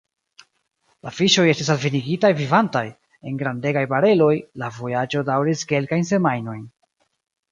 La fiŝoj estis alvenigitaj vivantaj, en grandegaj bareloj, la vojaĝo daŭris kelkajn semajnojn.